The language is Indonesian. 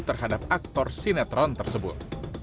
terhadap aktor sinetron tersebut